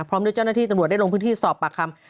พร้อมด้วยเจ้าหน้าที่ตำรวจได้ลงพื้นที่สอบปากคำ